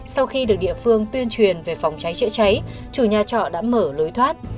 sau khi được địa phương tuyên truyền về phòng cháy chữa cháy chủ nhà trọ đã mở lối thoát